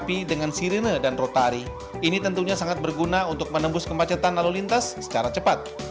ini tentunya sangat berguna untuk menembus kemacetan lalu lintas secara cepat